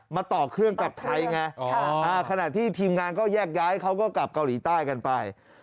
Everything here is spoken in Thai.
ต่อเครื่องกลับไทยไงขณะที่ทีมงานก็แยกย้ายเขาก็กลับเกาหลีใต้กันไป